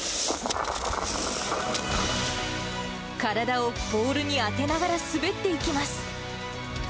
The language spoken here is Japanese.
体をポールに当てながら滑っていきます。